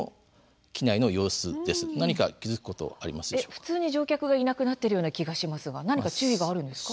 普通に乗客がいなくなっているような気がしますが何か注意があるんですか？